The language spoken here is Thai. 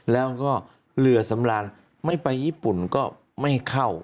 แล้วก็เรือสำราญไม่ไปญี่ปุ่นก็ไม่ให้เข้า